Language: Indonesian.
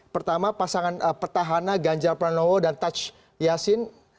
pertama pasangan pertahana ganjar pranowo dan taj yassin